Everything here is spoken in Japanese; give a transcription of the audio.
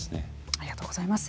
ありがとうございます。